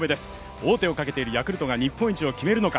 王手をかけているヤクルトが日本一を決めるのか。